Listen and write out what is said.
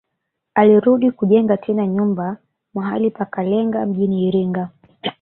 Alirudi kujenga tena nyumba mahali pa Kalenga mjini Iringa